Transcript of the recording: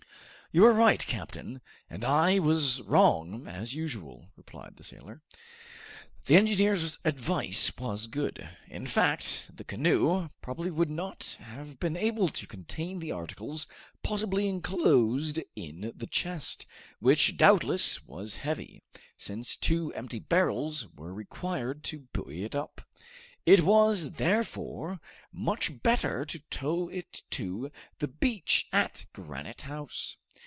"You are right, captain, and I was wrong, as usual," replied the sailor. The engineer's advice was good. In fact, the canoe probably would not have been able to contain the articles possibly enclosed in the chest, which doubtless was heavy, since two empty barrels were required to buoy it up. It was, therefore, much better to tow it to the beach at Granite House.